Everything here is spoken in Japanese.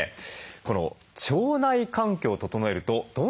この腸内環境を整えるとどんないいことがあるんでしょうか？